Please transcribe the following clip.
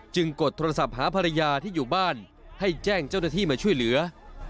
กดโทรศัพท์หาภรรยาที่อยู่บ้านให้แจ้งเจ้าหน้าที่มาช่วยเหลือ